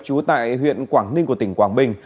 chú tại huyện quảng ninh của tỉnh quảng bình